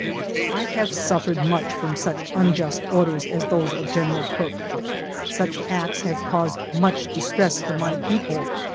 I have suffered much from such unjust orders as those of General Crook. Such acts have caused much distress to my people.